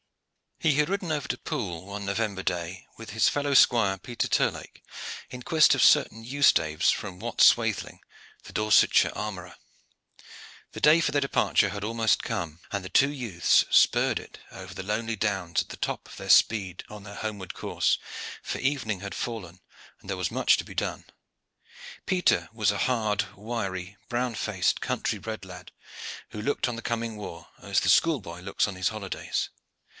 He had ridden over to Poole, one November day, with his fellow squire, Peter Terlake, in quest of certain yew staves from Wat Swathling, the Dorsetshire armorer. The day for their departure had almost come, and the two youths spurred it over the lonely downs at the top of their speed on their homeward course, for evening had fallen and there was much to be done. Peter was a hard, wiry, brown faced, country bred lad who looked on the coming war as the schoolboy looks on his holidays.